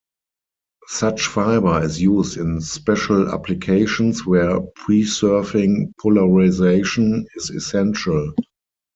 Such fiber is used in special applications where preserving polarization is essential.